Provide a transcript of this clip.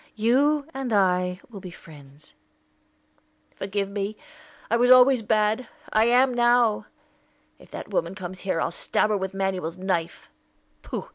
You and I will be friends." "Forgive me! I was always bad; I am now. If that woman comes here, I'll stab her with Manuel's knife." "Pooh!